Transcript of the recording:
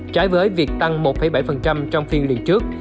trái với việc tăng một bảy trong phiên liền trước